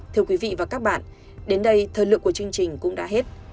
thưa quý vị và các bạn đến đây thời lượng của chương trình cũng đã hết